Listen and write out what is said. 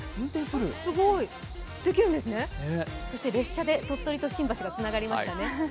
できるんですね、そして列車で鳥取と新橋がつながりましたね。